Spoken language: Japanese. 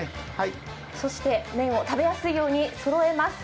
そして麺を食べやすいようにそろえます。